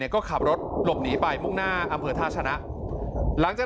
ก็ขับรถหลบหนีไปมุ่งหน้าอำเภอท่าชนะหลังจาก